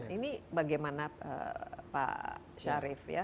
ini bagaimana pak syarif ya